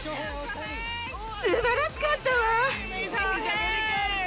すばらしかったわ！